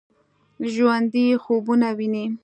ژوندي خوبونه ويني